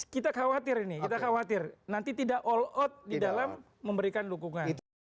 kita khawatir ini kita khawatir nanti tidak all out di dalam memberikan dukungan